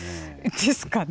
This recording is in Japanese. ですかね？